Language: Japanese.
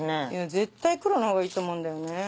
絶対黒のほうがいいと思うんだよね。